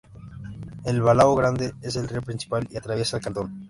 El "Balao Grande", es el río principal y atraviesa el cantón.